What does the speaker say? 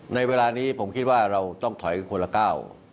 ในเวลานี้ผมคิดว่าเราต้องถอยคนละก้าว